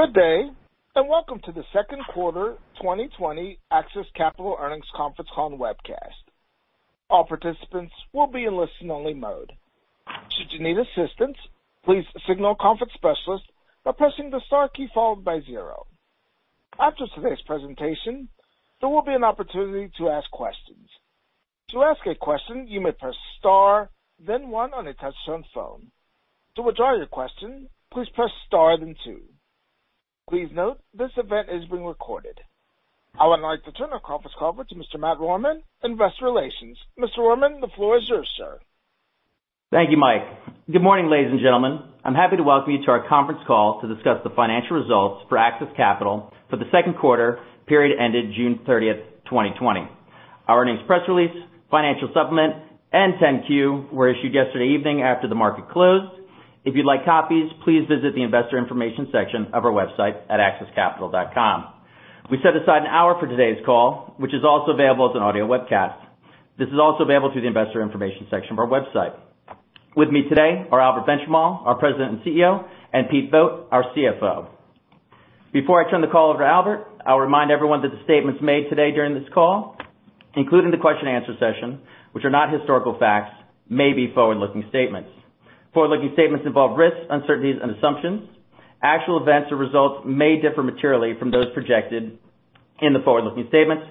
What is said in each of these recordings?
Good day, and welcome to the second quarter 2020 AXIS Capital earnings conference call and webcast. All participants will be in listen only mode. Should you need assistance, please signal a conference specialist by pressing the star key, followed by zero. After today's presentation, there will be an opportunity to ask questions. To ask a question, you may press star, then one on a touch-tone phone. To withdraw your question, please press star, then two. Please note this event is being recorded. I would like to turn our conference call over to Mr. Matt Rohrmann, investor relations. Mr. Rohrmann, the floor is yours, sir. Thank you, Mike. Good morning, ladies and gentlemen. I'm happy to welcome you to our conference call to discuss the financial results for AXIS Capital for the second quarter period ended June 30th, 2020. Our earnings press release, financial supplement, and 10-Q were issued yesterday evening after the market closed. If you'd like copies, please visit the investor information section of our website at axiscapital.com. We set aside one hour for today's call, which is also available as an audio webcast. This is also available through the investor information section of our website. With me today are Albert Benchimol, our president and CEO, and Pete Vogt, our CFO. Before I turn the call over to Albert, I'll remind everyone that the statements made today during this call, including the question-and-answer session, which are not historical facts, may be forward-looking statements. Forward-looking statements involve risks, uncertainties, and assumptions. Actual events or results may differ materially from those projected in the forward-looking statements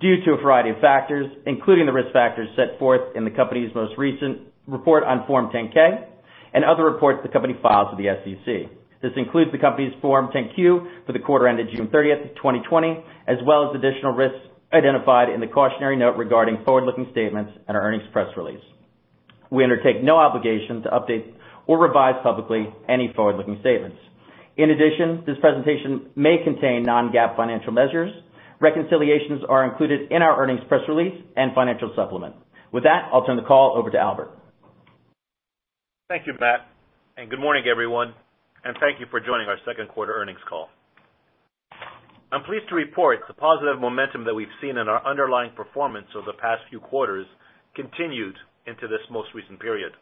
due to a variety of factors, including the risk factors set forth in the company's most recent report on Form 10-K and other reports the company files with the SEC. This includes the company's Form 10-Q for the quarter ended June 30th, 2020, as well as additional risks identified in the cautionary note regarding forward-looking statements in our earnings press release. We undertake no obligation to update or revise publicly any forward-looking statements. In addition, this presentation may contain non-GAAP financial measures. Reconciliations are included in our earnings press release and financial supplement. With that, I'll turn the call over to Albert. Thank you, Matt, and good morning, everyone, and thank you for joining our second quarter earnings call. I'm pleased to report the positive momentum that we've seen in our underlying performance over the past few quarters continued into this most recent period.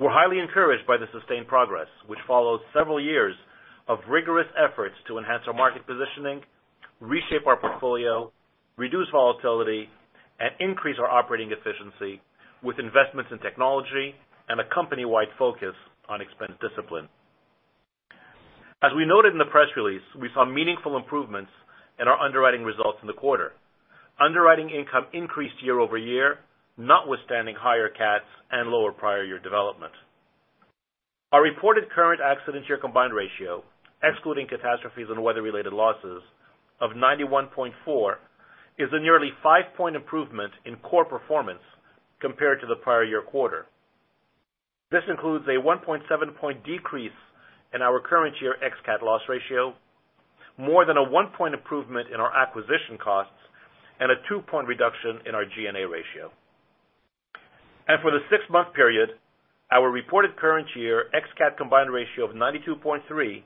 We're highly encouraged by the sustained progress, which follows several years of rigorous efforts to enhance our market positioning, reshape our portfolio, reduce volatility, and increase our operating efficiency with investments in technology and a company-wide focus on expense discipline. As we noted in the press release, we saw meaningful improvements in our underwriting results in the quarter. Underwriting income increased year-over-year, notwithstanding higher CATs and lower prior year development. Our reported current accident year combined ratio, excluding catastrophes and weather-related losses of 91.4, is a nearly five-point improvement in core performance compared to the prior year quarter. This includes a 1.7-point decrease in our current year ex-CAT loss ratio, more than a one-point improvement in our acquisition costs, and a two-point reduction in our G&A ratio. For the six-month period, our reported current year ex-CAT combined ratio of 92.3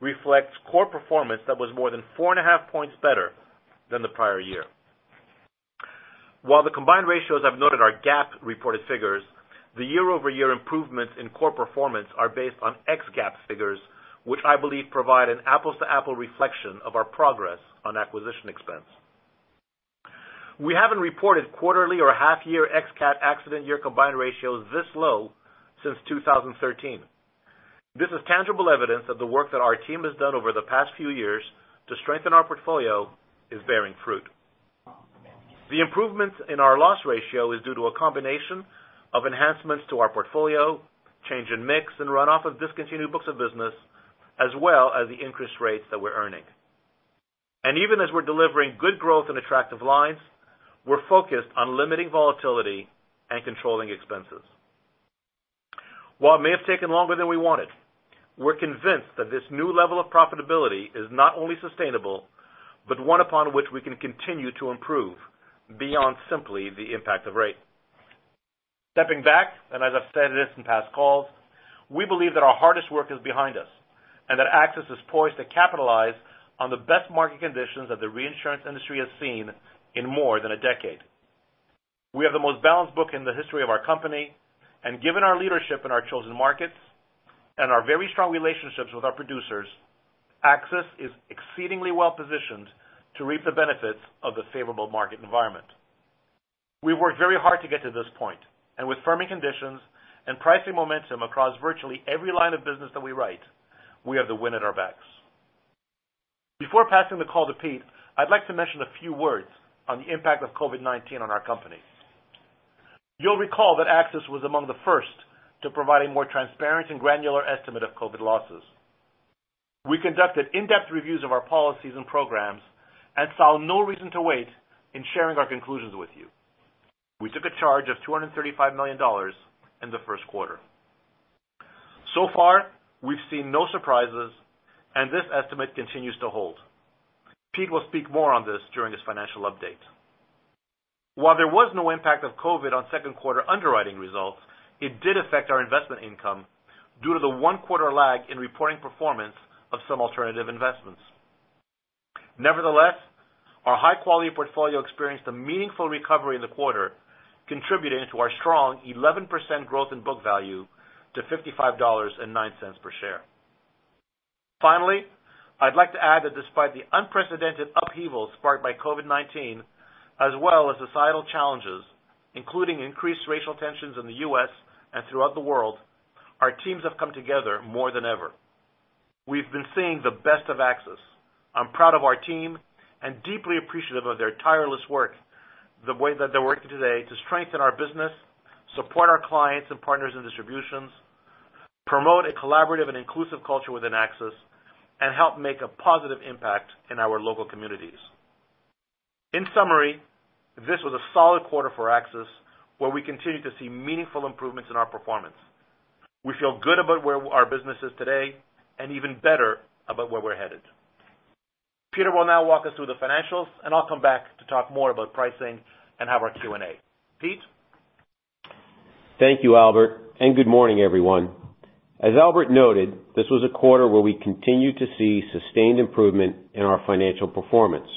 reflects core performance that was more than four and a half points better than the prior year. While the combined ratios I've noted are GAAP-reported figures, the year-over-year improvements in core performance are based on ex-GAAP figures, which I believe provide an apples-to-apples reflection of our progress on acquisition expense. We haven't reported quarterly or half-year ex-CAT accident year combined ratios this low since 2013. This is tangible evidence that the work that our team has done over the past few years to strengthen our portfolio is bearing fruit. The improvements in our loss ratio is due to a combination of enhancements to our portfolio, change in mix, and runoff of discontinued books of business, as well as the increased rates that we're earning. Even as we're delivering good growth in attractive lines, we're focused on limiting volatility and controlling expenses. While it may have taken longer than we wanted, we're convinced that this new level of profitability is not only sustainable, but one upon which we can continue to improve beyond simply the impact of rate. Stepping back, as I've stated this in past calls, we believe that our hardest work is behind us and that AXIS is poised to capitalize on the best market conditions that the reinsurance industry has seen in more than a decade. We have the most balanced book in the history of our company, and given our leadership in our chosen markets and our very strong relationships with our producers, AXIS is exceedingly well-positioned to reap the benefits of the favorable market environment. We've worked very hard to get to this point, and with firming conditions and pricing momentum across virtually every line of business that we write, we have the wind at our backs. Before passing the call to Pete, I'd like to mention a few words on the impact of COVID-19 on our company. You'll recall that AXIS was among the first to provide a more transparent and granular estimate of COVID losses. We conducted in-depth reviews of our policies and programs and found no reason to wait in sharing our conclusions with you. We took a charge of $235 million in the first quarter. So far, we've seen no surprises, and this estimate continues to hold. Pete will speak more on this during his financial update. While there was no impact of COVID on second quarter underwriting results, it did affect our investment income due to the one-quarter lag in reporting performance of some alternative investments. Nevertheless, our high-quality portfolio experienced a meaningful recovery in the quarter, contributing to our strong 11% growth in book value to $55.09 per share. Finally, I'd like to add that despite the unprecedented upheaval sparked by COVID-19 as well as societal challenges, including increased racial tensions in the U.S. and throughout the world, our teams have come together more than ever. We've been seeing the best of AXIS. I'm proud of our team and deeply appreciative of their tireless work, the way that they're working today to strengthen our business, support our clients and partners in distributions, promote a collaborative and inclusive culture within AXIS, and help make a positive impact in our local communities. In summary, this was a solid quarter for AXIS, where we continued to see meaningful improvements in our performance. We feel good about where our business is today, and even better about where we're headed. Pete will now walk us through the financials, and I'll come back to talk more about pricing and have our Q&A. Pete? Thank you, Albert, and good morning, everyone. As Albert noted, this was a quarter where we continued to see sustained improvement in our financial performance.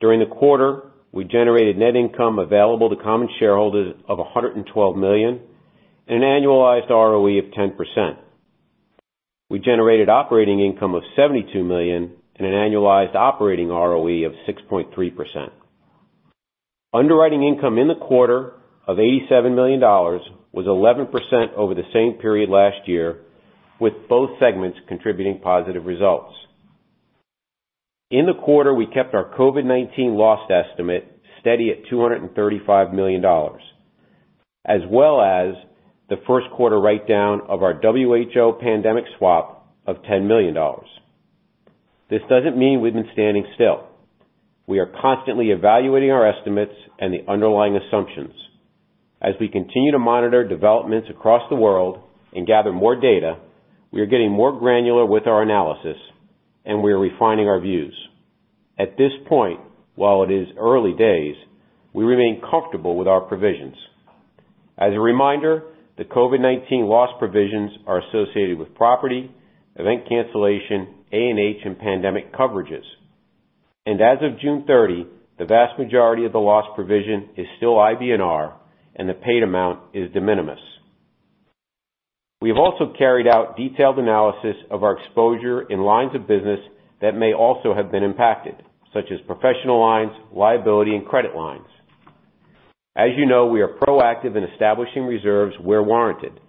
During the quarter, we generated net income available to common shareholders of $112 million and an annualized ROE of 10%. We generated operating income of $72 million and an annualized operating ROE of 6.3%. Underwriting income in the quarter of $87 million was 11% over the same period last year, with both segments contributing positive results. In the quarter, we kept our COVID-19 loss estimate steady at $235 million, as well as the first quarter writedown of our WHO pandemic swap of $10 million. This doesn't mean we've been standing still. We are constantly evaluating our estimates and the underlying assumptions. As we continue to monitor developments across the world and gather more data, we are getting more granular with our analysis, and we are refining our views. At this point, while it is early days, we remain comfortable with our provisions. As a reminder, the COVID-19 loss provisions are associated with property, event cancellation, A&H, and pandemic coverages. As of June 30, the vast majority of the loss provision is still IBNR, and the paid amount is de minimis. We have also carried out detailed analysis of our exposure in lines of business that may also have been impacted, such as professional lines, liability, and credit lines. As you know, we are proactive in establishing reserves where warranted.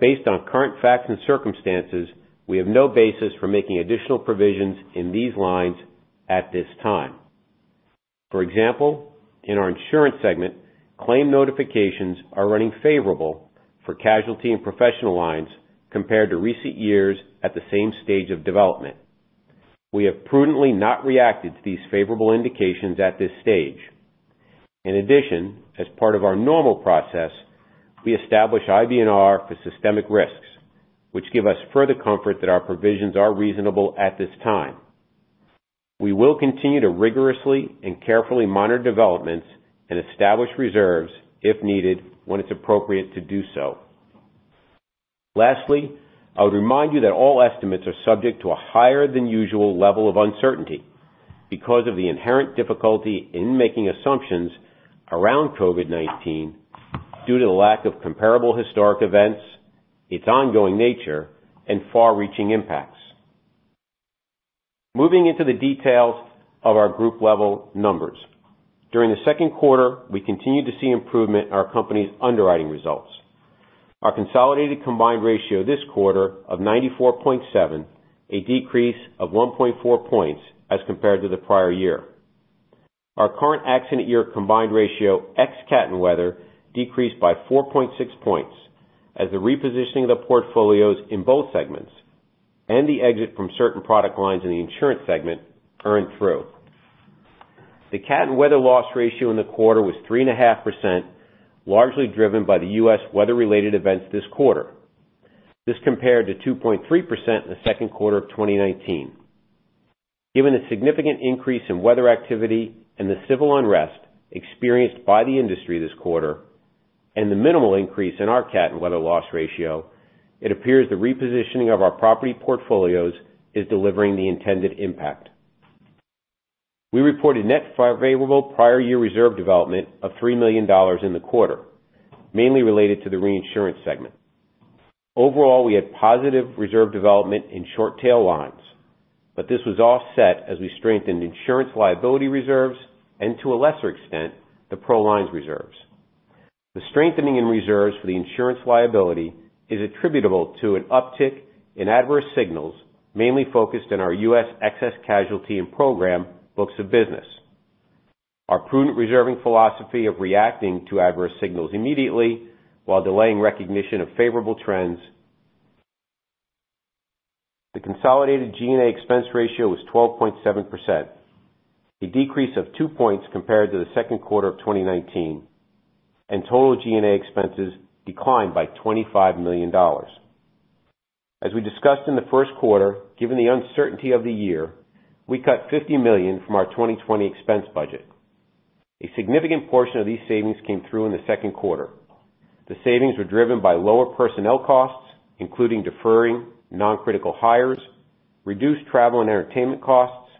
Based on current facts and circumstances, we have no basis for making additional provisions in these lines at this time. For example, in our insurance segment, claim notifications are running favorable for casualty and professional lines compared to recent years at the same stage of development. We have prudently not reacted to these favorable indications at this stage. In addition, as part of our normal process, we establish IBNR for systemic risks, which give us further comfort that our provisions are reasonable at this time. We will continue to rigorously and carefully monitor developments and establish reserves if needed, when it's appropriate to do so. Lastly, I would remind you that all estimates are subject to a higher than usual level of uncertainty because of the inherent difficulty in making assumptions around COVID-19 due to the lack of comparable historic events, its ongoing nature, and far-reaching impacts. Moving into the details of our group-level numbers. During the second quarter, we continued to see improvement in our company's underwriting results. Our consolidated combined ratio this quarter of 94.7, a decrease of 1.4 points as compared to the prior year. Our current accident year combined ratio, ex-CAT and weather, decreased by 4.6 points as the repositioning of the portfolios in both segments and the exit from certain product lines in the insurance segment earned through. The CAT and weather loss ratio in the quarter was 3.5%, largely driven by the U.S. weather-related events this quarter. This compared to 2.3% in the second quarter of 2019. Given the significant increase in weather activity and the civil unrest experienced by the industry this quarter, and the minimal increase in our CAT and weather loss ratio, it appears the repositioning of our property portfolios is delivering the intended impact. We reported net favorable prior year reserve development of $3 million in the quarter, mainly related to the reinsurance segment. Overall, we had positive reserve development in short tail lines, this was offset as we strengthened insurance liability reserves and to a lesser extent, the pro lines reserves. The strengthening in reserves for the insurance liability is attributable to an uptick in adverse signals, mainly focused on our U.S. excess casualty and program books of business. Our prudent reserving philosophy of reacting to adverse signals immediately while delaying recognition of favorable trends. The consolidated G&A expense ratio was 12.7%, a decrease of two points compared to the second quarter of 2019, and total G&A expenses declined by $25 million. As we discussed in the first quarter, given the uncertainty of the year, we cut $50 million from our 2020 expense budget. A significant portion of these savings came through in the second quarter. The savings were driven by lower personnel costs, including deferring non-critical hires, reduced travel and entertainment costs,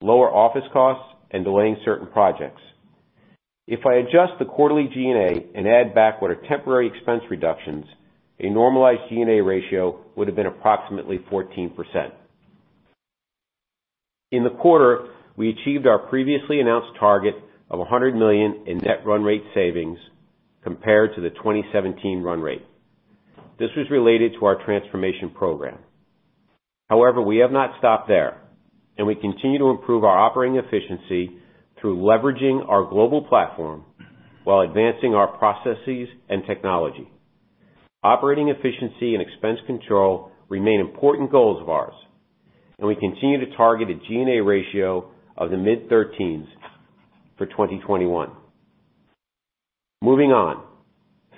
lower office costs, and delaying certain projects. If I adjust the quarterly G&A and add back what are temporary expense reductions, a normalized G&A ratio would've been approximately 14%. In the quarter, we achieved our previously announced target of $100 million in net run rate savings compared to the 2017 run rate. This was related to our transformation program. We have not stopped there, and we continue to improve our operating efficiency through leveraging our global platform while advancing our processes and technology. Operating efficiency and expense control remain important goals of ours, and we continue to target a G&A ratio of the mid-thirteens for 2021. Moving on.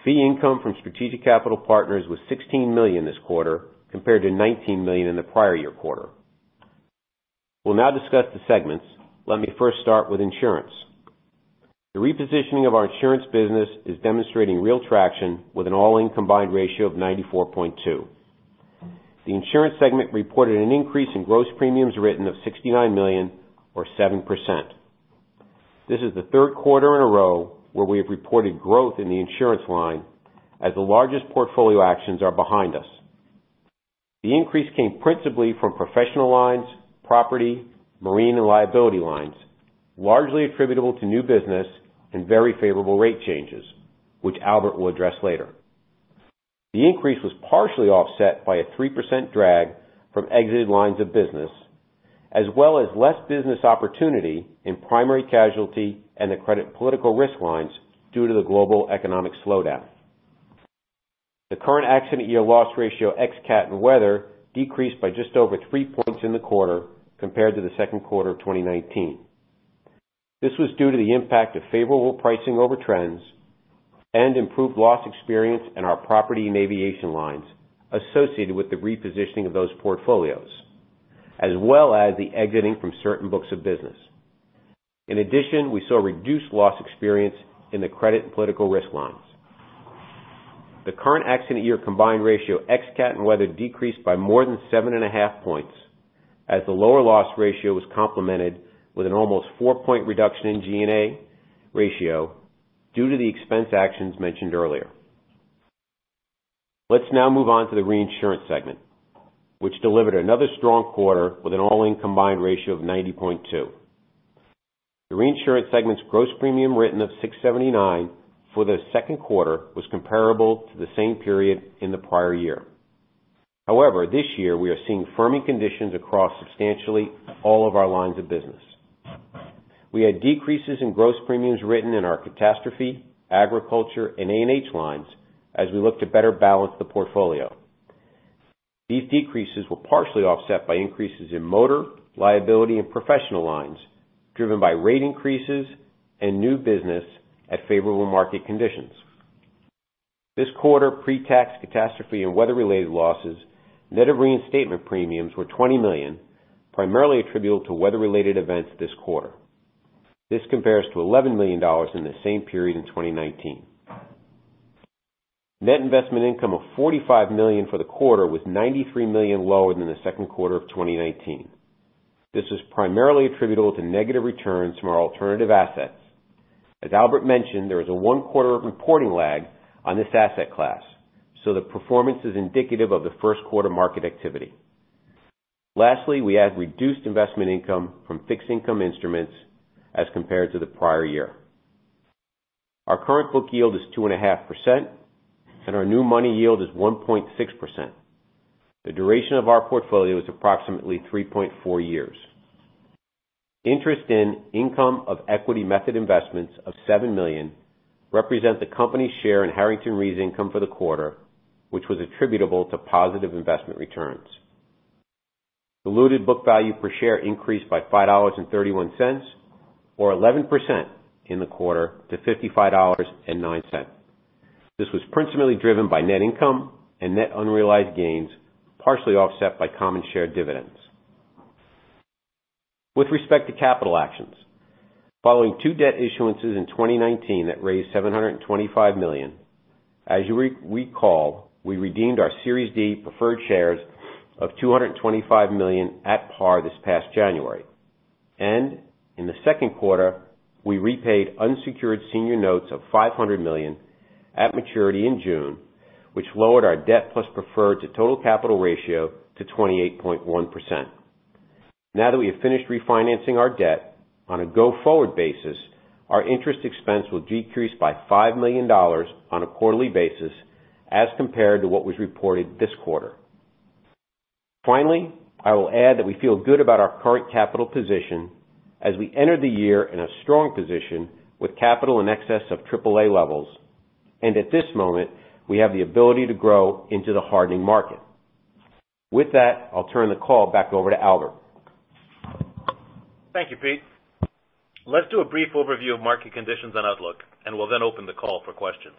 Fee income from strategic capital partners was $16 million this quarter, compared to $19 million in the prior year quarter. We'll now discuss the segments. Let me first start with insurance. The repositioning of our insurance business is demonstrating real traction with an all-in combined ratio of 94.2. The insurance segment reported an increase in gross premiums written of $69 million or 7%. This is the third quarter in a row where we have reported growth in the insurance line as the largest portfolio actions are behind us. The increase came principally from professional lines, property, marine, and liability lines, largely attributable to new business and very favorable rate changes, which Albert will address later. The increase was partially offset by a 3% drag from exited lines of business, as well as less business opportunity in primary casualty and the credit political risk lines due to the global economic slowdown. The current accident year loss ratio ex-CAT and weather decreased by just over three points in the quarter compared to the second quarter of 2019. This was due to the impact of favorable pricing over trends and improved loss experience in our property and aviation lines associated with the repositioning of those portfolios, as well as the exiting from certain books of business. In addition, we saw reduced loss experience in the credit and political risk lines. The current accident year combined ratio, ex-CAT and weather, decreased by more than seven and a half points as the lower loss ratio was complemented with an almost four-point reduction in G&A ratio due to the expense actions mentioned earlier. Let's now move on to the reinsurance segment, which delivered another strong quarter with an all-in combined ratio of 90.2. The reinsurance segment's gross premium written of $679 for the second quarter was comparable to the same period in the prior year. However, this year we are seeing firming conditions across substantially all of our lines of business. We had decreases in gross premiums written in our catastrophe, agriculture, and A&H lines as we look to better balance the portfolio. These decreases were partially offset by increases in motor, liability, and professional lines driven by rate increases and new business at favorable market conditions. This quarter, pre-tax catastrophe and weather-related losses, net of reinstatement premiums were $20 million, primarily attributable to weather-related events this quarter. This compares to $11 million in the same period in 2019. Net investment income of $45 million for the quarter was $93 million lower than the second quarter of 2019. This was primarily attributable to negative returns from our alternative assets. As Albert mentioned, there is a one quarter of reporting lag on this asset class, so the performance is indicative of the first quarter market activity. Lastly, we had reduced investment income from fixed income instruments as compared to the prior year. Our current book yield is 2.5%, and our new money yield is 1.6%. The duration of our portfolio is approximately 3.4 years. Interest in income of equity method investments of $7 million represent the company share in Harrington Re's income for the quarter, which was attributable to positive investment returns. Diluted book value per share increased by $5.31, or 11% in the quarter to $55.09. This was principally driven by net income and net unrealized gains, partially offset by common share dividends. With respect to capital actions, following two debt issuances in 2019 that raised $725 million, as you recall, we redeemed our Series D Preferred Shares of $225 million at par this past January. In the second quarter, we repaid unsecured senior notes of $500 million at maturity in June, which lowered our debt plus preferred to total capital ratio to 28.1%. Now that we have finished refinancing our debt on a go-forward basis, our interest expense will decrease by $5 million on a quarterly basis as compared to what was reported this quarter. Finally, I will add that we feel good about our current capital position as we enter the year in a strong position with capital in excess of AAA levels. At this moment, we have the ability to grow into the hardening market. With that, I'll turn the call back over to Albert. Thank you, Pete. Let's do a brief overview of market conditions and outlook, and we'll then open the call for questions.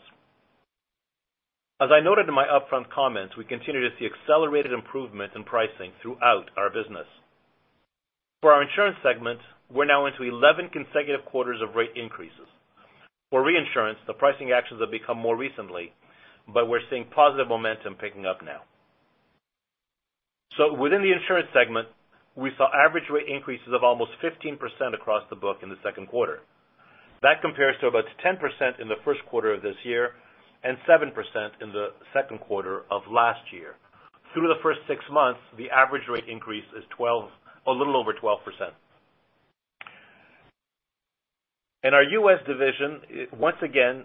As I noted in my upfront comments, we continue to see accelerated improvement in pricing throughout our business. For our insurance segment, we're now into 11 consecutive quarters of rate increases. For reinsurance, the pricing actions have become more recently, but we're seeing positive momentum picking up now. Within the insurance segment, we saw average rate increases of almost 15% across the book in the second quarter. That compares to about 10% in the first quarter of this year and 7% in the second quarter of last year. Through the first six months, the average rate increase is a little over 12%. In our U.S. division, once again,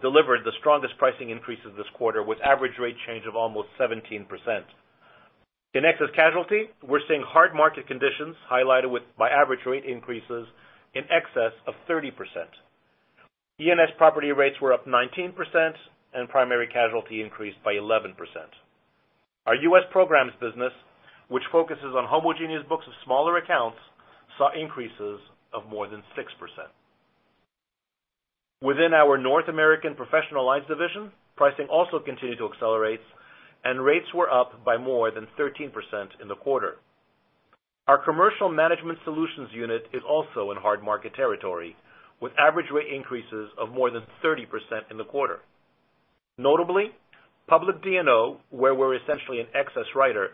delivered the strongest pricing increases this quarter with average rate change of almost 17%. In excess casualty, we're seeing hard market conditions highlighted by average rate increases in excess of 30%. E&S property rates were up 19% and primary casualty increased by 11%. Our U.S. Programs business, which focuses on homogeneous books of smaller accounts, saw increases of more than 6%. Within our North American professional lines division, pricing also continued to accelerate, and rates were up by more than 13% in the quarter. Our commercial management solutions unit is also in hard market territory, with average rate increases of more than 30% in the quarter. Notably, public D&O, where we're essentially an excess writer,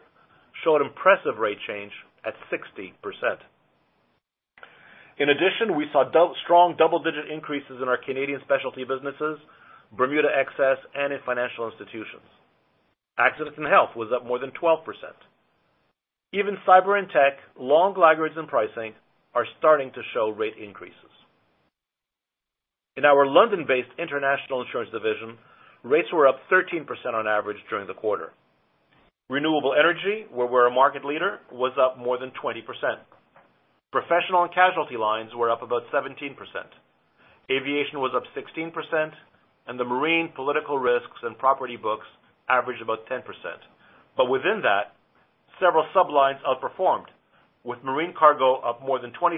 showed impressive rate change at 60%. In addition, we saw strong double-digit increases in our Canadian specialty businesses, Bermuda excess, and in financial institutions. Accident and health was up more than 12%. Even cyber and tech, long laggards in pricing, are starting to show rate increases. In our London-based international insurance division, rates were up 13% on average during the quarter. Renewable energy, where we're a market leader, was up more than 20%. Professional and casualty lines were up about 17%. Aviation was up 16%, and the marine political risks and property books averaged about 10%. Within that, several sub-lines outperformed, with marine cargo up more than 25%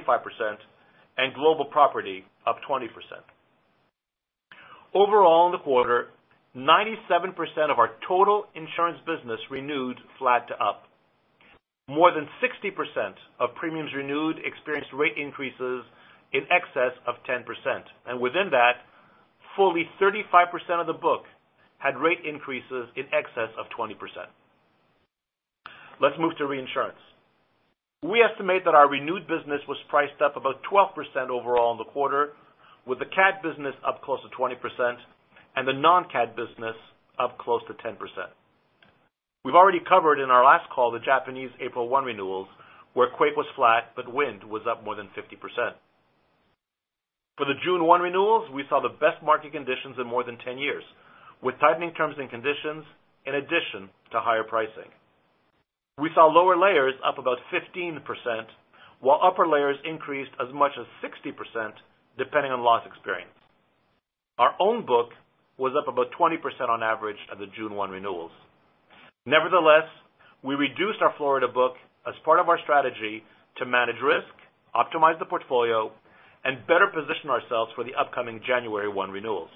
and global property up 20%. Overall in the quarter, 97% of our total insurance business renewed flat to up. More than 60% of premiums renewed experienced rate increases in excess of 10%. Within that, fully 35% of the book had rate increases in excess of 20%. Let's move to reinsurance. We estimate that our renewed business was priced up about 12% overall in the quarter, with the CAT business up close to 20% and the non-CAT business up close to 10%. We've already covered in our last call the Japanese April 1 renewals, where quake was flat but wind was up more than 50%. For the June 1 renewals, we saw the best market conditions in more than 10 years, with tightening terms and conditions in addition to higher pricing. We saw lower layers up about 15%, while upper layers increased as much as 60%, depending on loss experience. Our own book was up about 20% on average at the June 1 renewals. Nevertheless, we reduced our Florida book as part of our strategy to manage risk, optimize the portfolio, and better position ourselves for the upcoming January 1 renewals.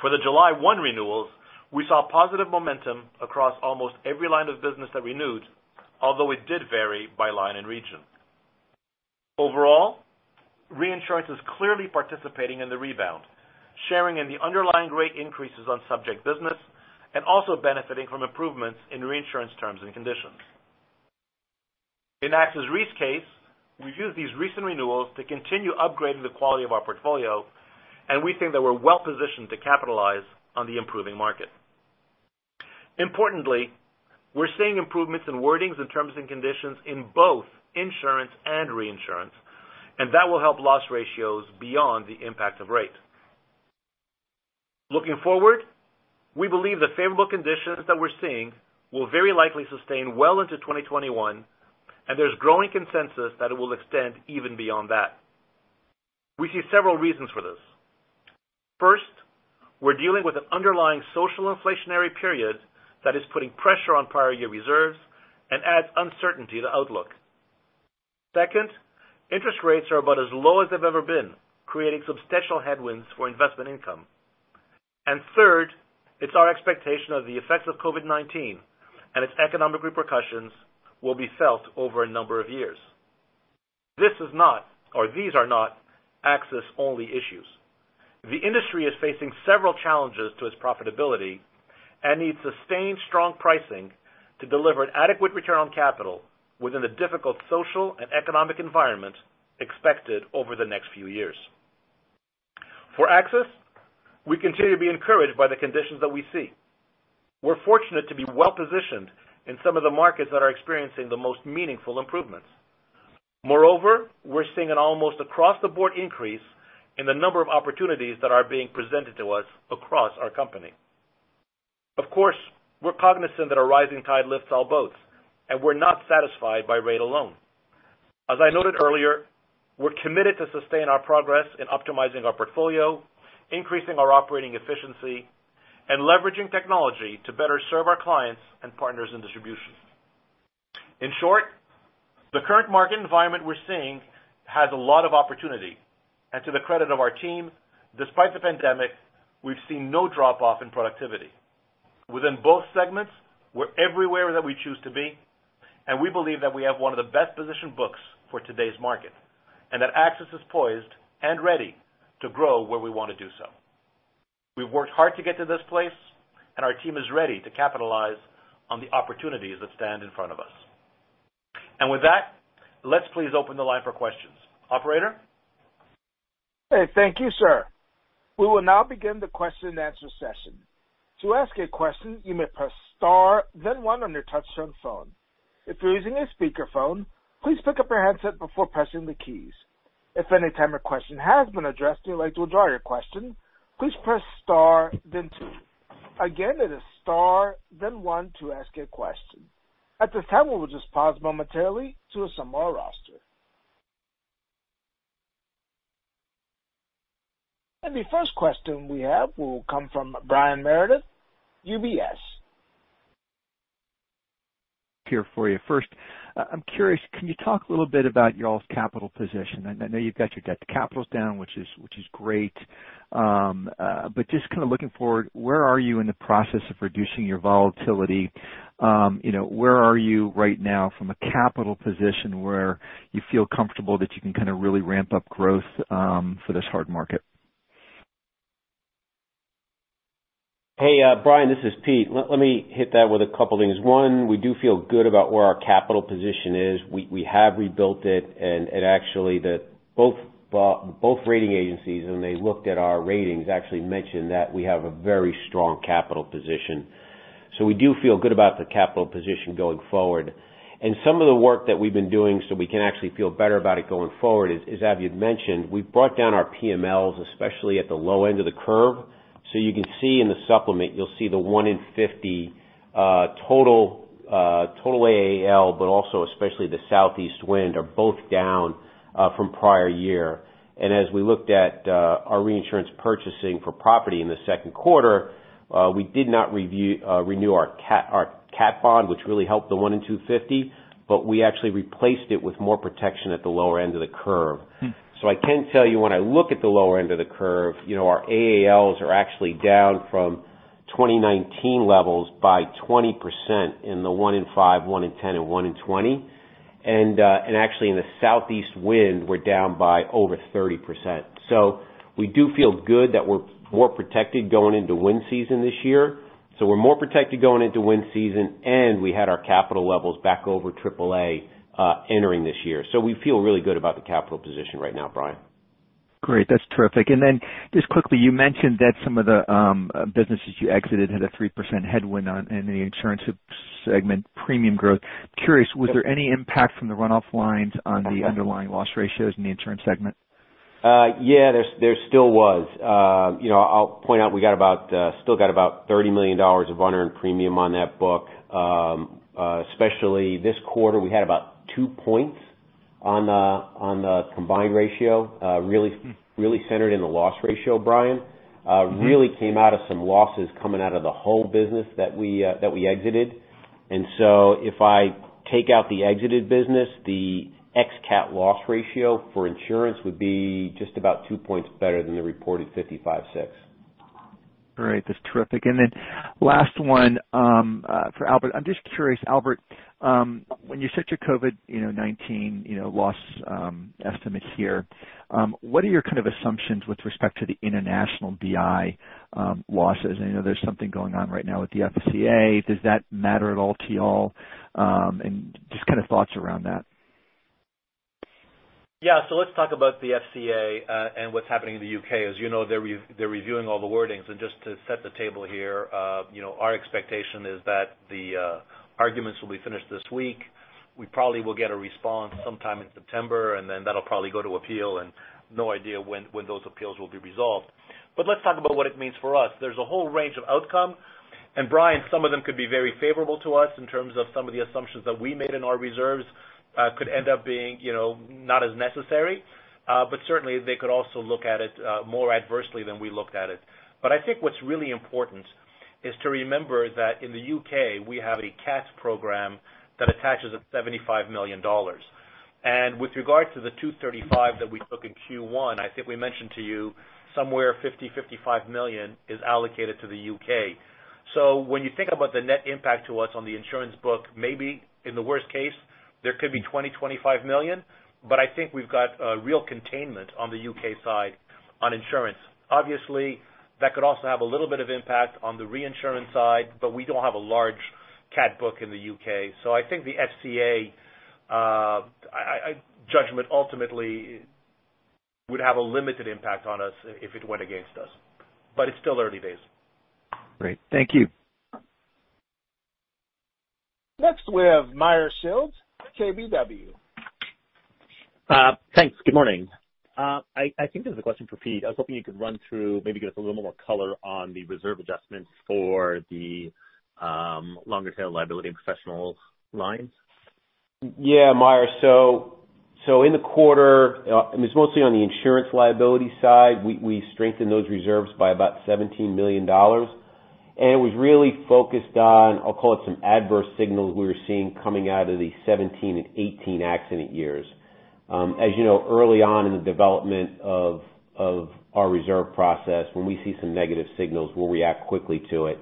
For the July 1 renewals, we saw positive momentum across almost every line of business that renewed, although it did vary by line and region. Overall, reinsurance is clearly participating in the rebound, sharing in the underlying rate increases on subject business and also benefiting from improvements in reinsurance terms and conditions. In AXIS Re's case, we've used these recent renewals to continue upgrading the quality of our portfolio, and we think that we're well-positioned to capitalize on the improving market. Importantly, we're seeing improvements in wordings and terms and conditions in both insurance and reinsurance, and that will help loss ratios beyond the impact of rate. Looking forward, we believe the favorable conditions that we're seeing will very likely sustain well into 2021, and there's growing consensus that it will extend even beyond that. We see several reasons for this. First, we're dealing with an underlying social inflationary period that is putting pressure on prior year reserves and adds uncertainty to outlook. Second, interest rates are about as low as they've ever been, creating substantial headwinds for investment income. Third, it's our expectation of the effects of COVID-19 and its economic repercussions will be felt over a number of years. These are not AXIS-only issues. The industry is facing several challenges to its profitability and needs sustained strong pricing to deliver an adequate return on capital within the difficult social and economic environment expected over the next few years. For AXIS, we continue to be encouraged by the conditions that we see. We're fortunate to be well-positioned in some of the markets that are experiencing the most meaningful improvements. Moreover, we're seeing an almost across-the-board increase in the number of opportunities that are being presented to us across our company. Of course, we're cognizant that a rising tide lifts all boats, and we're not satisfied by rate alone. As I noted earlier, we're committed to sustain our progress in optimizing our portfolio, increasing our operating efficiency, and leveraging technology to better serve our clients and partners in distribution. In short, the current market environment we're seeing has a lot of opportunity. To the credit of our team, despite the pandemic, we've seen no drop-off in productivity. Within both segments, we're everywhere that we choose to be, and we believe that we have one of the best-positioned books for today's market, and that AXIS is poised and ready to grow where we want to do so. We've worked hard to get to this place, and our team is ready to capitalize on the opportunities that stand in front of us. With that, let's please open the line for questions. Operator? Okay. Thank you, sir. We will now begin the question and answer session. To ask a question, you may press star then one on your touchtone phone. If you're using a speakerphone, please pick up your handset before pressing the keys. If any time your question has been addressed and you'd like to withdraw your question, please press star then two. Again, it is star then one to ask a question. At this time, we will just pause momentarily to assemble our roster. The first question we have will come from Brian Meredith, UBS. First, I'm curious, can you talk a little bit about y'all's capital position? I know you've got your debt to capital down, which is great. Just kind of looking forward, where are you in the process of reducing your volatility? Where are you right now from a capital position where you feel comfortable that you can kind of really ramp up growth for this hard market? Hey, Brian, this is Pete. Let me hit that with a couple of things. One, we do feel good about where our capital position is. Actually both rating agencies, when they looked at our ratings, mentioned that we have a very strong capital position. We do feel good about the capital position going forward. Some of the work that we've been doing so we can actually feel better about it going forward is, as Albert had mentioned, we've brought down our PMLs, especially at the low end of the curve. You can see in the supplement, you'll see the 1 in 50 total AAL, but also especially the southeast wind are both down from prior year. As we looked at our reinsurance purchasing for property in the second quarter, we did not renew our CAT bond, which really helped the 1 in 250, we actually replaced it with more protection at the lower end of the curve. I can tell you when I look at the lower end of the curve, our AALs are actually down from 2019 levels by 20% in the 1 in 5, 1 in 10, and 1 in 20. Actually in the southeast wind, we're down by over 30%. We do feel good that we're more protected going into wind season this year. We're more protected going into wind season, and we had our capital levels back over AAA entering this year. We feel really good about the capital position right now, Brian. Great. That's terrific. Just quickly, you mentioned that some of the businesses you exited had a 3% headwind on any insurance segment premium growth. Curious, was there any impact from the runoff lines on the underlying loss ratios in the insurance segment? Yeah, there still was. I'll point out we still got about $30 million of unearned premium on that book. Especially this quarter, we had about 2 points on the combined ratio really centered in the loss ratio, Brian. Really came out of some losses coming out of the whole business that we exited. If I take out the exited business, the ex-CAT loss ratio for insurance would be just about 2 points better than the reported 55.6. Great. That's terrific. Last one for Albert. I'm just curious, Albert, when you set your COVID-19 loss estimates here, what are your kind of assumptions with respect to the international BI losses? I know there's something going on right now with the FCA. Does that matter at all to you all? Just kind of thoughts around that. Yeah. Let's talk about the FCA, and what's happening in the U.K. As you know, they're reviewing all the wordings. Just to set the table here, our expectation is that the arguments will be finished this week. We probably will get a response sometime in September, and then that'll probably go to appeal, and no idea when those appeals will be resolved. Let's talk about what it means for us. There's a whole range of outcome. Brian, some of them could be very favorable to us in terms of some of the assumptions that we made in our reserves could end up being not as necessary. Certainly they could also look at it more adversely than we looked at it. I think what's really important is to remember that in the U.K. we have a CATs program that attaches at $75 million. With regard to the 235 that we took in Q1, I think we mentioned to you somewhere $50, $55 million is allocated to the U.K. When you think about the net impact to us on the insurance book, maybe in the worst case, there could be $20, $25 million, but I think we've got a real containment on the U.K. side on insurance. Obviously, that could also have a little bit of impact on the reinsurance side, but we don't have a large CAT book in the U.K. I think the FCA judgment ultimately would have a limited impact on us if it went against us. It's still early days. Great. Thank you. Next, we have Meyer Shields, KBW. Thanks. Good morning. I think this is a question for Pete. I was hoping you could run through, maybe give us a little more color on the reserve adjustments for the longer tail liability and professional lines. Yeah, Meyer. In the quarter, and it's mostly on the insurance liability side, we strengthened those reserves by about $17 million. It was really focused on, I'll call it some adverse signals we were seeing coming out of the 2017 and 2018 accident years. As you know, early on in the development of our reserve process, when we see some negative signals, we'll react quickly to it.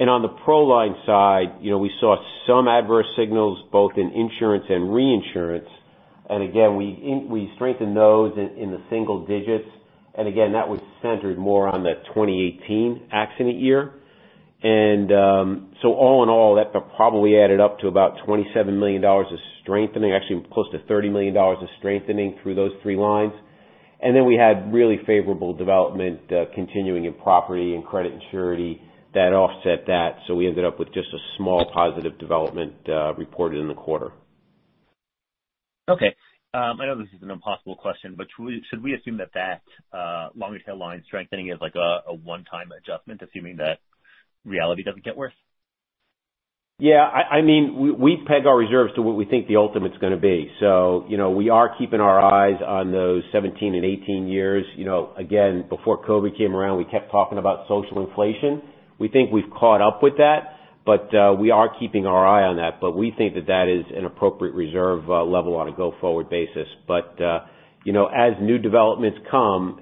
On the pro line side, we saw some adverse signals both in insurance and reinsurance. Again, we strengthened those in the single digits. Again, that was centered more on the 2018 accident year. All in all, that probably added up to about $27 million of strengthening, actually close to $30 million of strengthening through those three lines. Then we had really favorable development continuing in property and credit and surety that offset that. We ended up with just a small positive development reported in the quarter. Okay. I know this is an impossible question, but should we assume that long tail line strengthening is like a one-time adjustment, assuming that reality doesn't get worse? We peg our reserves to what we think the ultimate's going to be. We are keeping our eyes on those 2017 and 2018 years. Again, before COVID came around, we kept talking about social inflation. We think we've caught up with that, but we are keeping our eye on that. We think that that is an appropriate reserve level on a go-forward basis. As new developments come,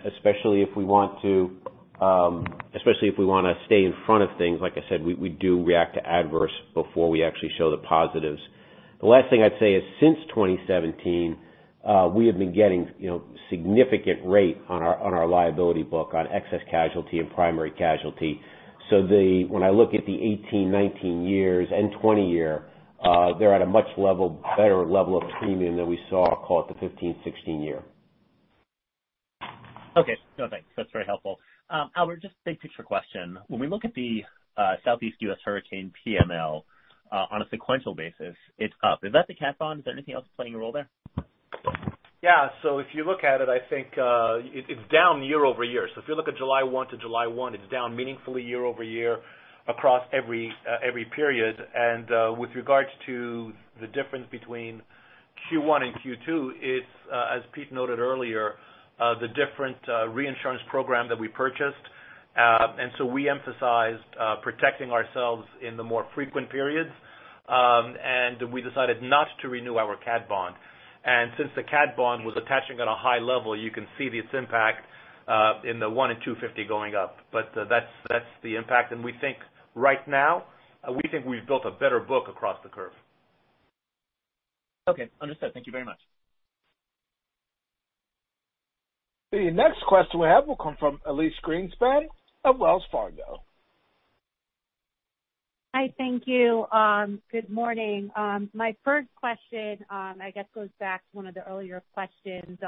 especially if we want to stay in front of things, like I said, we do react to adverse before we actually show the positives. The last thing I'd say is since 2017, we have been getting significant rate on our liability book on excess casualty and primary casualty. When I look at the 2018, 2019 years, and 2020 year, they're at a much better level of premium than we saw, call it the 2015, 2016 year. Okay. No, thanks. That's very helpful. Albert, just big picture question. When we look at the Southeast U.S. hurricane PML, on a sequential basis, it's up. Is that the cat bond? Is there anything else that's playing a role there? If you look at it, I think it's down year-over-year. If you look at July 1 to July 1, it's down meaningfully year-over-year across every period. With regards to the difference between Q1 and Q2, it's, as Pete noted earlier, the different reinsurance program that we purchased. We emphasized protecting ourselves in the more frequent periods. We decided not to renew our cat bond. Since the cat bond was attaching at a high level, you can see its impact in the 1 and 250 going up. That's the impact, and we think right now we've built a better book across the curve. Okay, understood. Thank you very much. The next question we have will come from Elyse Greenspan of Wells Fargo. Hi. Thank you. Good morning. My first question, I guess, goes back to one of the earlier questions.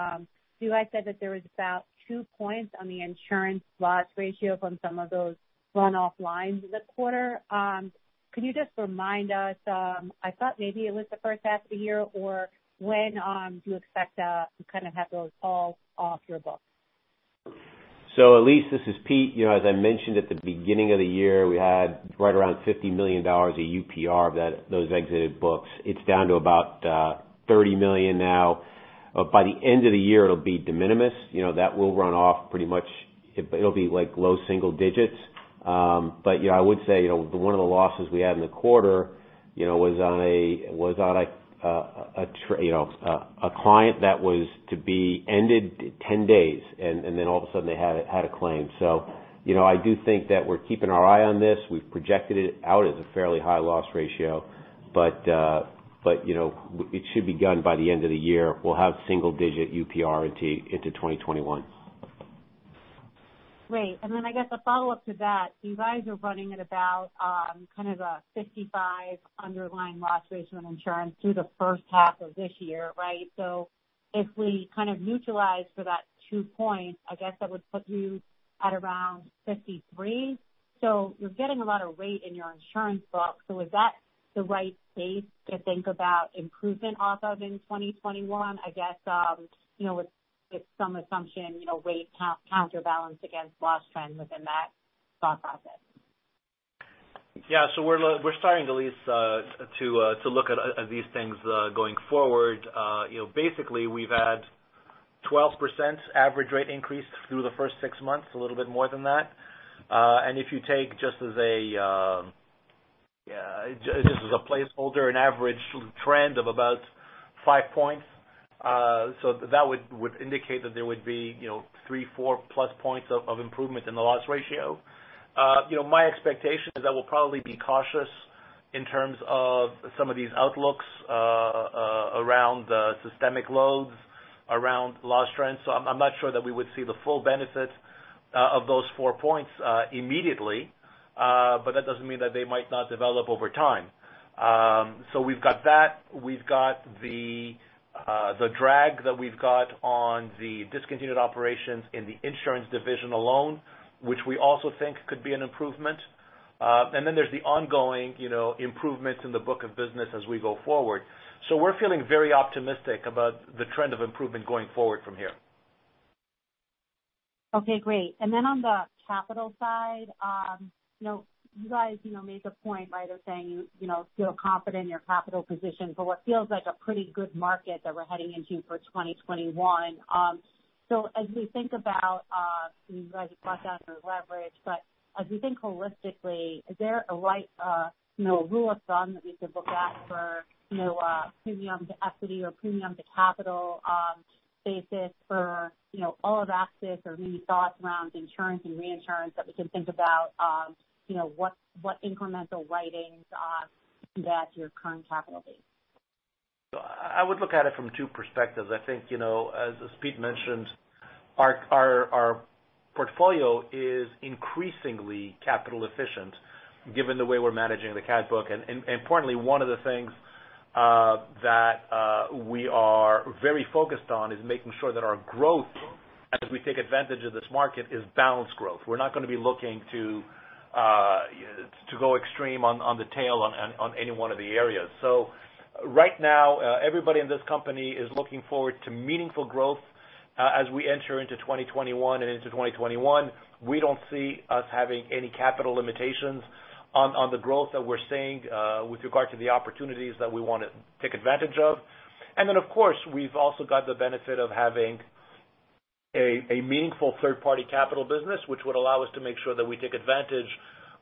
You had said that there was about two points on the insurance loss ratio from some of those run-off lines this quarter. Can you just remind us? I thought maybe it was the first half of the year, or when do you expect to have those all off your books? Elyse, this is Pete. As I mentioned at the beginning of the year, we had right around $50 million of UPR of those exited books. It's down to about $30 million now. By the end of the year, it'll be de minimis. That will run off pretty much. It'll be low single digits. I would say, one of the losses we had in the quarter was on a client that was to be ended in 10 days, then all of a sudden they had a claim. I do think that we're keeping our eye on this. We've projected it out as a fairly high loss ratio. It should be gone by the end of the year. We'll have single-digit UPR into 2021. Great. I guess a follow-up to that, you guys are running at about a 55 underlying loss ratio on insurance through the first half of this year, right? If we neutralize for that two points, I guess that would put you at around 53. You're getting a lot of weight in your insurance book. Is that the right place to think about improvement off of in 2021? I guess, with some assumption, rate counterbalance against loss trend within that thought process. Yeah. We're starting, Elyse, to look at these things going forward. Basically, we've had 12% average rate increase through the first 6 months, a little bit more than that. If you take just as a placeholder, an average trend of about 5 points, that would indicate that there would be 3, 4 plus points of improvement in the loss ratio. My expectation is I will probably be cautious in terms of some of these outlooks around systemic loads, around loss trends. I'm not sure that we would see the full benefit of those 4 points immediately. That doesn't mean that they might not develop over time. We've got that. We've got the drag that we've got on the discontinued operations in the insurance division alone, which we also think could be an improvement. There's the ongoing improvements in the book of business as we go forward. We're feeling very optimistic about the trend of improvement going forward from here. Okay, great. On the capital side, you guys made the point by either saying you feel confident in your capital position for what feels like a pretty good market that we're heading into for 2021. As we think about, you guys have talked about your leverage, as we think holistically, is there a right rule of thumb that we could look at for premium to equity or premium to capital basis for all of AXIS, or have you thought around insurance and reinsurance that we can think about what incremental writings to add to your current capital base? I would look at it from 2 perspectives. I think, as Pete mentioned, our portfolio is increasingly capital efficient given the way we're managing the CAT book. Importantly, one of the things that we are very focused on is making sure that our growth, as we take advantage of this market, is balanced growth. We're not going to be looking to go extreme on the tail on any one of the areas. Right now, everybody in this company is looking forward to meaningful growth as we enter into 2021. Into 2021, we don't see us having any capital limitations on the growth that we're seeing with regard to the opportunities that we want to take advantage of. Of course, we've also got the benefit of having a meaningful third-party capital business, which would allow us to make sure that we take advantage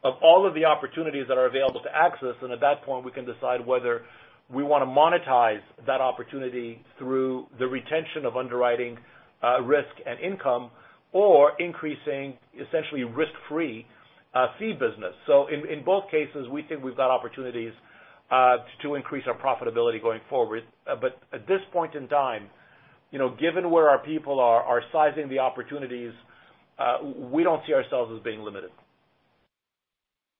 of all of the opportunities that are available to AXIS. At that point, we can decide whether we want to monetize that opportunity through the retention of underwriting risk and income or increasing essentially risk-free fee business. In both cases, we think we've got opportunities to increase our profitability going forward. At this point in time, given where our people are sizing the opportunities, we don't see ourselves as being limited.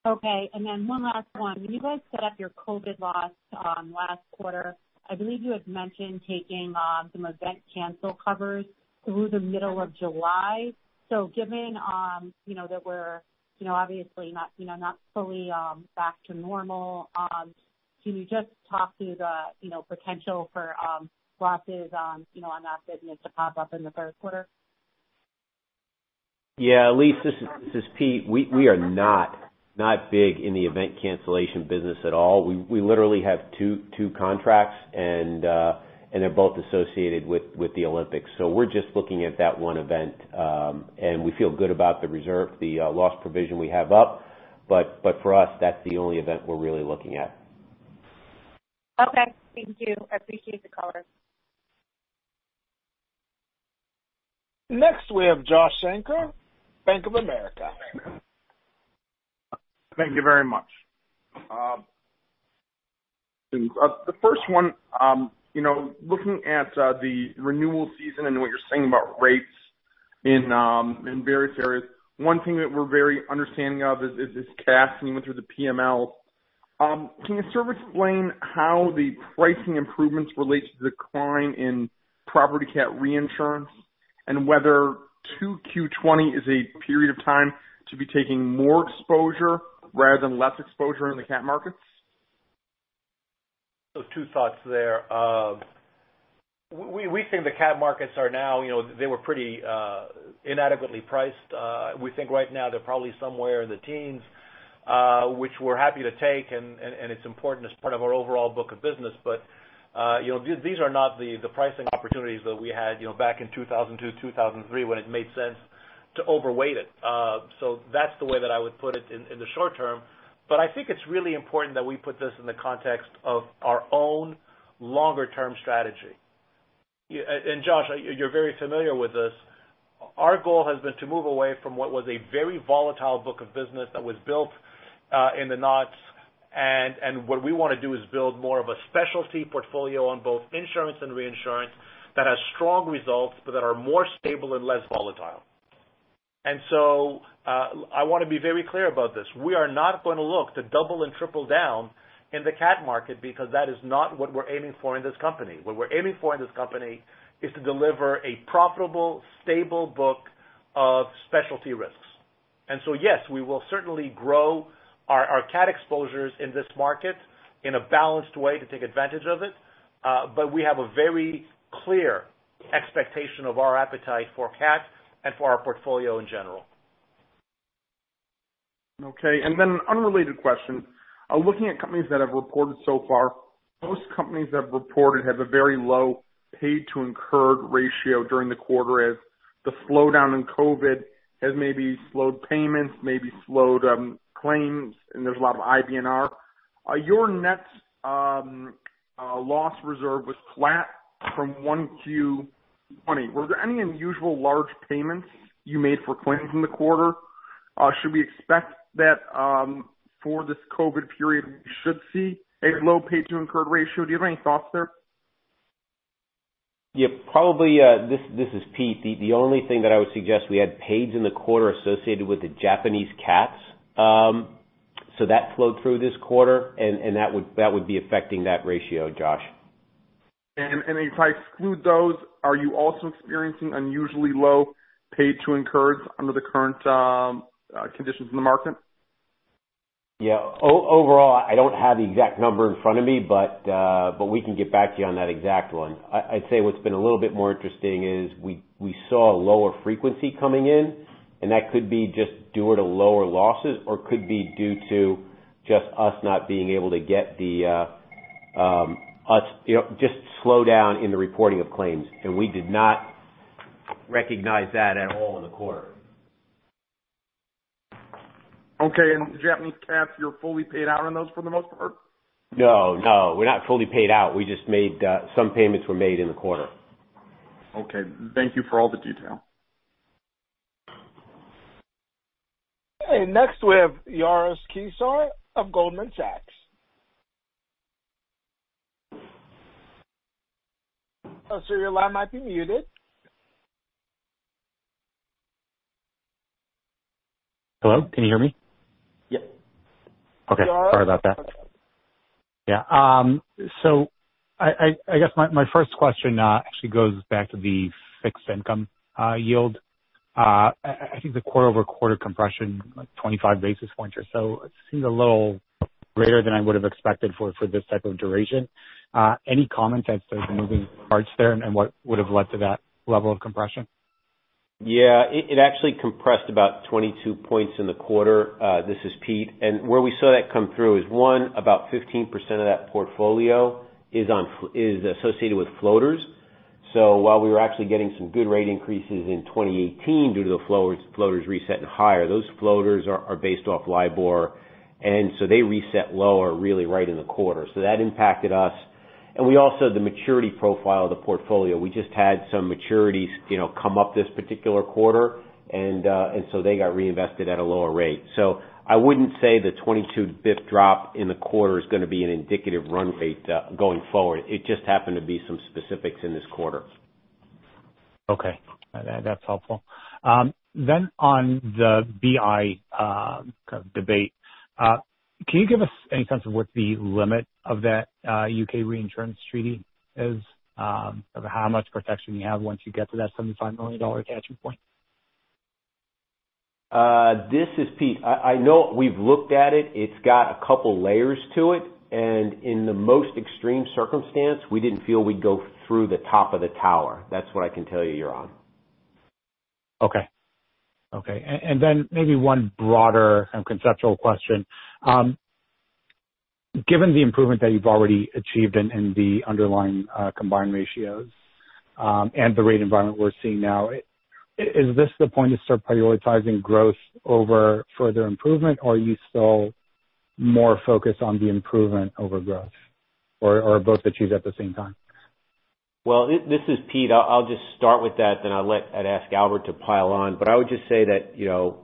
Okay, one last one. When you guys set up your COVID loss last quarter, I believe you had mentioned taking some event cancel covers through the middle of July. Given that we're obviously not fully back to normal, can you just talk through the potential for losses on that business to pop up in the third quarter? Yeah. Elyse, this is Pete. We are not big in the event cancellation business at all. We literally have two contracts, and they're both associated with the Olympics. We're just looking at that one event, and we feel good about the reserve, the loss provision we have up. For us, that's the only event we're really looking at. Okay, thank you. I appreciate the color. Next we have Josh Shanker, Bank of America. Thank you very much. The first one, looking at the renewal season and what you're saying about rates in various areas, one thing that we're very understanding of is this casting went through the PML. Can you sort of explain how the pricing improvements relate to the decline in property CAT reinsurance, and whether 2Q20 is a period of time to be taking more exposure rather than less exposure in the CAT markets? Two thoughts there. We think the CAT markets are now, they were pretty inadequately priced. We think right now they're probably somewhere in the teens, which we're happy to take, and it's important as part of our overall book of business. These are not the pricing opportunities that we had back in 2002, 2003, when it made sense to overweight it. That's the way that I would put it in the short term. I think it's really important that we put this in the context of our own longer-term strategy. Josh, you're very familiar with this. Our goal has been to move away from what was a very volatile book of business that was built in the naughts. What we want to do is build more of a specialty portfolio on both insurance and reinsurance that has strong results, but that are more stable and less volatile. I want to be very clear about this. We are not going to look to double and triple down in the CAT market because that is not what we're aiming for in this company. What we're aiming for in this company is to deliver a profitable, stable book of specialty risks. Yes, we will certainly grow our CAT exposures in this market in a balanced way to take advantage of it. We have a very clear expectation of our appetite for CAT and for our portfolio in general. Okay. An unrelated question. Looking at companies that have reported so far, most companies that have reported have a very low paid to incurred ratio during the quarter as the slowdown in COVID-19 has maybe slowed payments, maybe slowed claims, and there's a lot of IBNR. Your net loss reserve was flat from 1Q20. Were there any unusual large payments you made for claims in the quarter? Should we expect that for this COVID-19 period, we should see a low paid to incurred ratio? Do you have any thoughts there? Probably. This is Pete. The only thing that I would suggest, we had pays in the quarter associated with the Japanese CATs. That flowed through this quarter, and that would be affecting that ratio, Josh. If I exclude those, are you also experiencing unusually low paid to incurs under the current conditions in the market? Overall, I don't have the exact number in front of me, but we can get back to you on that exact one. I'd say what's been a little bit more interesting is we saw a lower frequency coming in, and that could be just due to lower losses or could be due to just us not being able to just slow down in the reporting of claims. We did not recognize that at all in the quarter. Okay. The Japanese CATs, you're fully paid out on those for the most part? No, we're not fully paid out. Some payments were made in the quarter. Okay. Thank you for all the detail. Next we have Yaron Kinar of Goldman Sachs. Sir, your line might be muted. Hello, can you hear me? Yes. Okay. Sorry about that. Yeah. I guess my first question actually goes back to the fixed income yield. I think the quarter-over-quarter compression, like 25 basis points or so, seems a little greater than I would have expected for this type of duration. Any comments as to the moving parts there and what would have led to that level of compression? It actually compressed about 22 points in the quarter. This is Pete. Where we saw that come through is, one, about 15% of that portfolio is associated with floaters. While we were actually getting some good rate increases in 2018 due to the floaters resetting higher, those floaters are based off LIBOR, they reset lower really right in the quarter. That impacted us. We also, the maturity profile of the portfolio, we just had some maturities come up this particular quarter, and so they got reinvested at a lower rate. I wouldn't say the 22 basis point drop in the quarter is going to be an indicative run rate going forward. It just happened to be some specifics in this quarter. Okay. That's helpful. On the BI debate, can you give us any sense of what the limit of that U.K. reinsurance treaty is? Of how much protection you have once you get to that $75 million attachment point? This is Pete. I know we've looked at it. It's got a couple of layers to it, in the most extreme circumstance, we didn't feel we'd go through the top of the tower. That's what I can tell you, Yaron. Okay. Then maybe one broader and conceptual question. Given the improvement that you've already achieved in the underlying combined ratios, the rate environment we're seeing now, is this the point to start prioritizing growth over further improvement, or are you still more focused on the improvement over growth? Or both achieved at the same time? Well, this is Pete. I'll just start with that, then I'd ask Albert to pile on. I would just say that,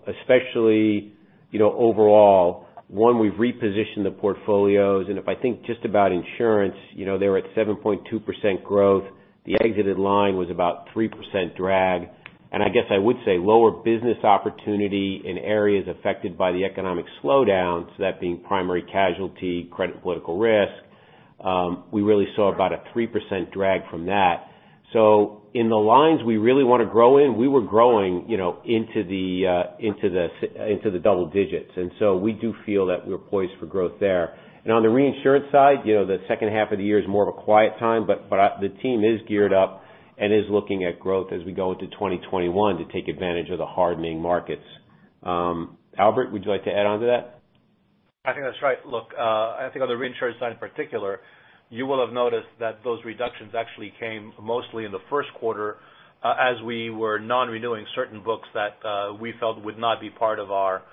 especially overall, one, we've repositioned the portfolios, if I think just about insurance, they were at 7.2% growth. The exited line was about 3% drag. I guess I would say lower business opportunity in areas affected by the economic slowdown, so that being primary casualty, credit political risk, we really saw about a 3% drag from that. In the lines we really want to grow in, we were growing into the double digits. We do feel that we're poised for growth there. On the reinsurance side, the second half of the year is more of a quiet time, but the team is geared up and is looking at growth as we go into 2021 to take advantage of the hardening markets. Albert, would you like to add on to that? I think that's right. Look, I think on the reinsurance side in particular, you will have noticed that those reductions actually came mostly in the first quarter as we were non-renewing certain books that we felt would not be part of our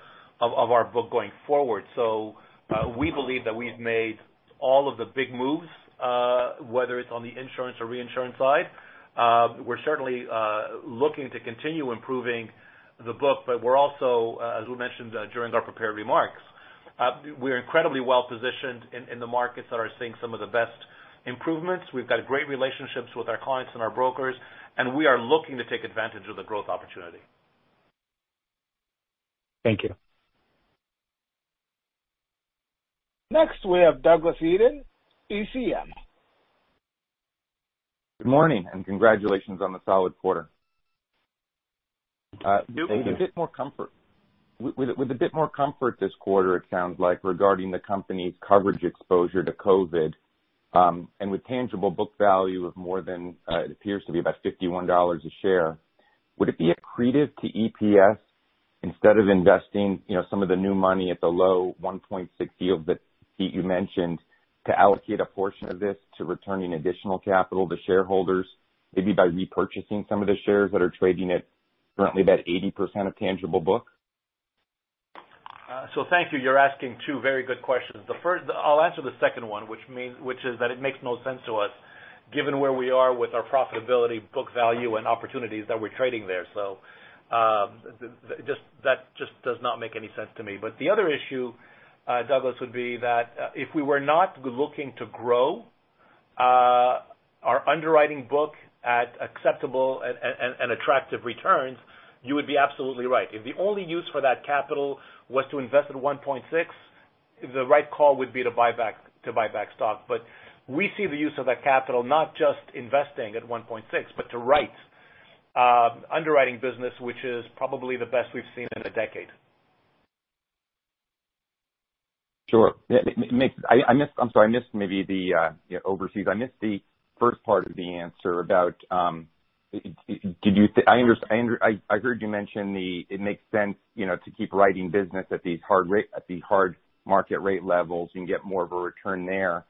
book going forward. We believe that we've made all of the big moves, whether it's on the insurance or reinsurance side. We're certainly looking to continue improving the book, but we're also, as we mentioned during our prepared remarks, we're incredibly well-positioned in the markets that are seeing some of the best improvements. We've got great relationships with our clients and our brokers, and we are looking to take advantage of the growth opportunity. Thank you. Next we have Douglas Eden, ECM. Good morning. Congratulations on the solid quarter. Thank you. With a bit more comfort this quarter, it sounds like, regarding the company's coverage exposure to COVID-19, and with tangible book value of more than it appears to be about $51 a share, would it be accretive to EPS instead of investing some of the new money at the low 1.6% yield that, Pete, you mentioned, to allocate a portion of this to returning additional capital to shareholders, maybe by repurchasing some of the shares that are trading at currently about 80% of tangible book? Thank you. You're asking two very good questions. I'll answer the second one, which is that it makes no sense to us given where we are with our profitability, book value, and opportunities that we're trading there. That just does not make any sense to me. The other issue, Douglas, would be that if we were not looking to grow our underwriting book at acceptable and attractive returns, you would be absolutely right. If the only use for that capital was to invest at 1.6, the right call would be to buy back stock. We see the use of that capital not just investing at 1.6, but to write underwriting business, which is probably the best we've seen in a decade. Sure. I'm sorry, I missed maybe the overseas. I missed the first part of the answer. I heard you mention it makes sense to keep writing business at these hard market rate levels. You can get more of a return there.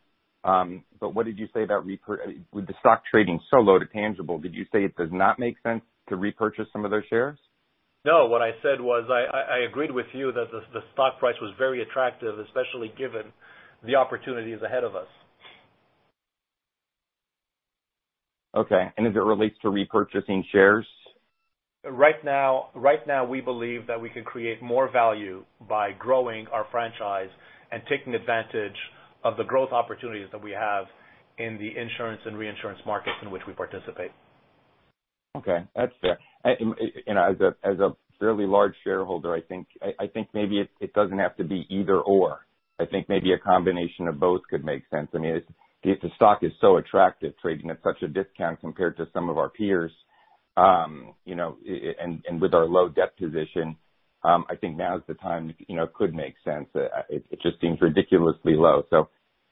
What did you say about with the stock trading so low to tangible, did you say it does not make sense to repurchase some of those shares? No. What I said was I agreed with you that the stock price was very attractive, especially given the opportunities ahead of us. Okay. As it relates to repurchasing shares? Right now, we believe that we can create more value by growing our franchise and taking advantage of the growth opportunities that we have in the insurance and reinsurance markets in which we participate. Okay. That's fair. As a fairly large shareholder, I think maybe it doesn't have to be either/or. I think maybe a combination of both could make sense. If the stock is so attractive trading at such a discount compared to some of our peers, and with our low debt position, I think now is the time it could make sense. It just seems ridiculously low.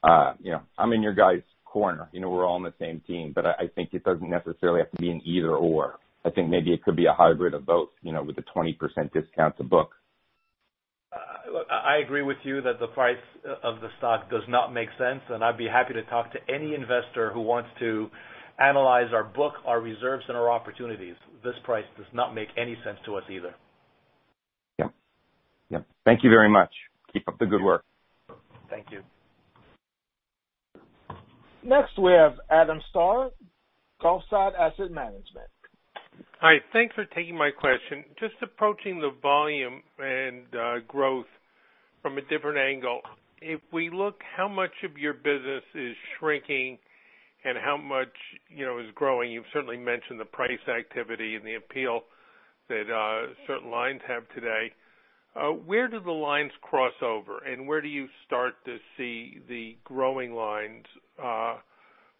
I'm in your guys' corner. We're all on the same team, I think it doesn't necessarily have to be an either/or. I think maybe it could be a hybrid of both with a 20% discount to book. I agree with you that the price of the stock does not make sense, and I'd be happy to talk to any investor who wants to analyze our book, our reserves, and our opportunities. This price does not make any sense to us either. Yep. Thank you very much. Keep up the good work. Thank you. Next we have Adam Starr, Gulfside Asset Management. Hi. Thanks for taking my question. Just approaching the volume and growth from a different angle. If we look how much of your business is shrinking and how much is growing, you've certainly mentioned the price activity and the appeal that certain lines have today. Where do the lines cross over, and where do you start to see the growing lines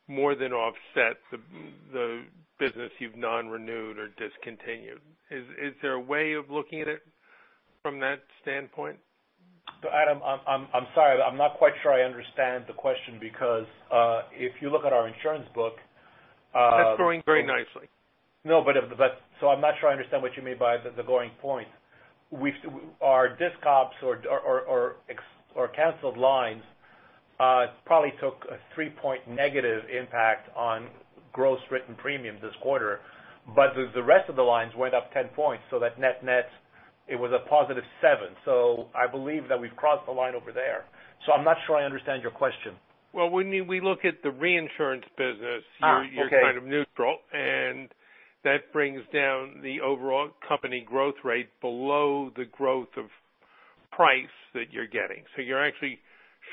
more than offset the business you've non-renewed or discontinued? Is there a way of looking at it from that standpoint? Adam, I'm sorry. I'm not quite sure I understand the question because if you look at our insurance book- That's growing very nicely. No, I'm not sure I understand what you mean by the growing point. Our disc ops or canceled lines probably took a three-point negative impact on gross written premium this quarter. The rest of the lines went up 10 points, that net net it was a positive seven. I believe that we've crossed the line over there. I'm not sure I understand your question. Well, when we look at the reinsurance business. Okay. You're kind of neutral, that brings down the overall company growth rate below the growth of price that you're getting. You're actually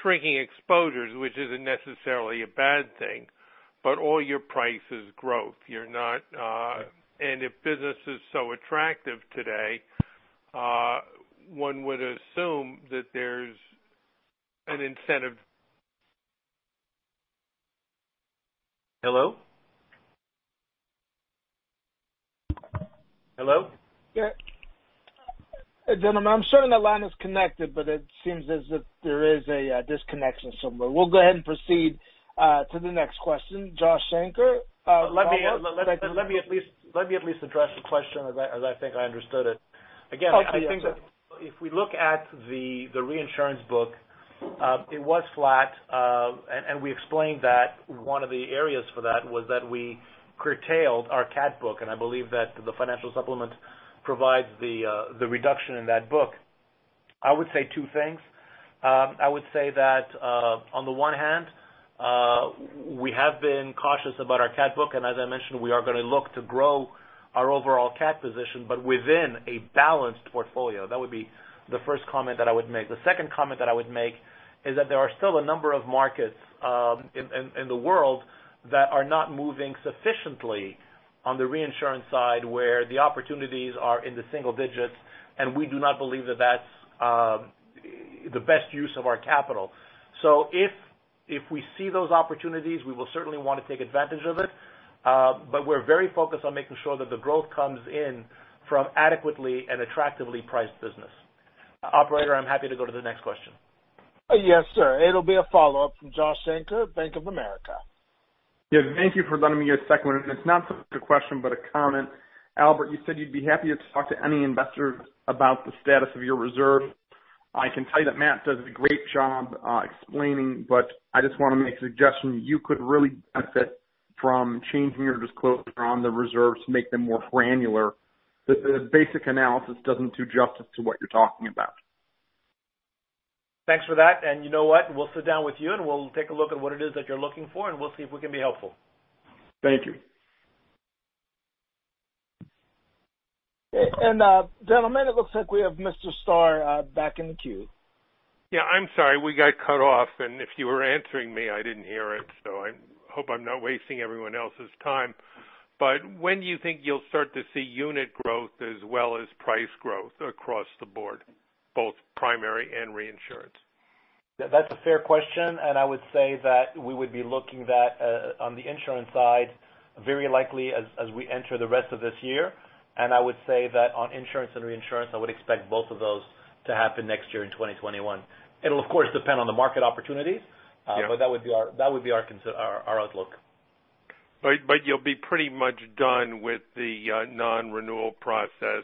shrinking exposures, which isn't necessarily a bad thing, all your price is growth. If business is so attractive today, one would assume that there's an incentive. Hello? Gentlemen, I'm showing the line is connected. It seems as if there is a disconnection somewhere. We'll go ahead and proceed to the next question. Josh Shanker- Let me at least address the question as I think I understood it. Again- Okay. If we look at the reinsurance book, it was flat. We explained that one of the areas for that was that we curtailed our CAT book, and I believe that the financial supplement provides the reduction in that book. I would say two things. I would say that on the one hand, we have been cautious about our CAT book. As I mentioned, we are going to look to grow our overall CAT position, within a balanced portfolio. That would be the first comment that I would make. The second comment that I would make is that there are still a number of markets in the world that are not moving sufficiently on the reinsurance side, where the opportunities are in the single digits, and we do not believe that that's the best use of our capital. If we see those opportunities, we will certainly want to take advantage of it. We're very focused on making sure that the growth comes in from adequately and attractively priced business. Operator, I'm happy to go to the next question. Yes, sir. It'll be a follow-up from Josh Shanker, Bank of America. Yeah, thank you for letting me get a second one in. It's not so much a question, but a comment. Albert, you said you'd be happy to talk to any investor about the status of your reserve. I can tell you that Matt does a great job explaining, but I just want to make a suggestion. You could really benefit from changing your disclosure on the reserves to make them more granular. The basic analysis doesn't do justice to what you're talking about. Thanks for that. You know what? We'll sit down with you, and we'll take a look at what it is that you're looking for, and we'll see if we can be helpful. Thank you. gentlemen, it looks like we have Mr. Starr back in the queue. Yeah. I'm sorry. We got cut off, and if you were answering me, I didn't hear it, so I hope I'm not wasting everyone else's time. When do you think you'll start to see unit growth as well as price growth across the board, both primary and reinsurance? That's a fair question, I would say that we would be looking that on the insurance side very likely as we enter the rest of this year. I would say that on insurance and reinsurance, I would expect both of those to happen next year in 2021. It'll, of course, depend on the market opportunities. Yeah that would be our outlook. You'll be pretty much done with the non-renewal process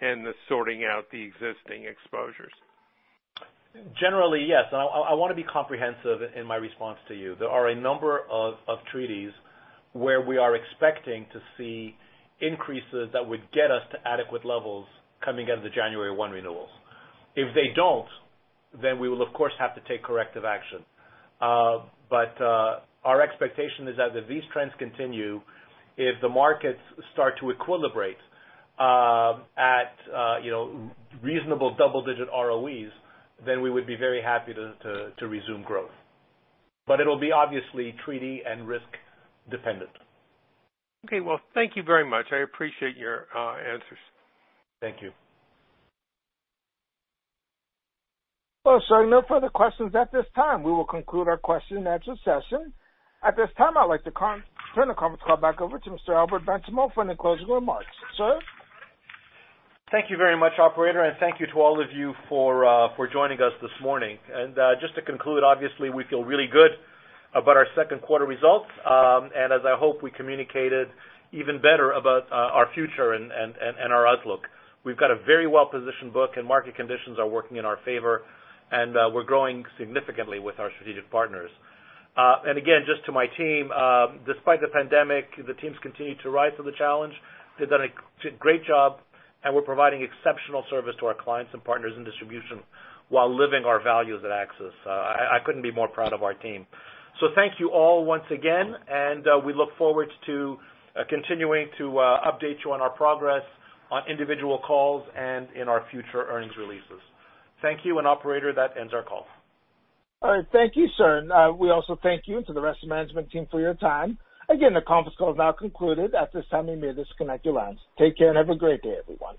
and the sorting out the existing exposures. Generally, yes. I want to be comprehensive in my response to you. There are a number of treaties where we are expecting to see increases that would get us to adequate levels coming out of the January one renewals. If they don't, then we will, of course, have to take corrective action. Our expectation is as if these trends continue, if the markets start to equilibrate at reasonable double-digit ROEs, then we would be very happy to resume growth. It'll be obviously treaty and risk dependent. Okay. Well, thank you very much. I appreciate your answers. Thank you. Well, sir, no further questions at this time. We will conclude our question and answer session. At this time, I'd like to turn the conference call back over to Mr. Albert Benchimol for any closing remarks. Sir? Thank you very much, operator, and thank you to all of you for joining us this morning. Just to conclude, obviously, we feel really good about our second quarter results. As I hope we communicated even better about our future and our outlook. We've got a very well-positioned book, and market conditions are working in our favor, and we're growing significantly with our strategic partners. Again, just to my team, despite the pandemic, the teams continue to rise to the challenge. They've done a great job, and we're providing exceptional service to our clients and partners in distribution while living our values at AXIS. I couldn't be more proud of our team. Thank you all once again, and we look forward to continuing to update you on our progress on individual calls and in our future earnings releases. Thank you, and operator, that ends our call. All right. Thank you, sir. We also thank you and to the rest of the management team for your time. Again, the conference call is now concluded. At this time, you may disconnect your lines. Take care and have a great day, everyone.